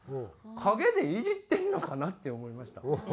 陰でイジってるのかなって思いました。